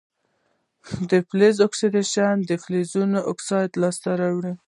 د فلزونو اکسیدیشن د فلزونو اکسایدونه لاسته راوړي.